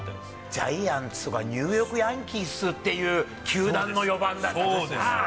ジャイアンツとか、ニューヨーク・ヤンキースの球団の４番だもんな。